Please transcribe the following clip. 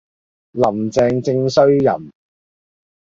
林鄭正衰人